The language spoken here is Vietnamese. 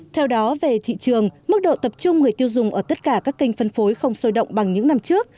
theo đó về thị trường mức độ tập trung người tiêu dùng ở tất cả các kênh phân phối không sôi động bằng những năm trước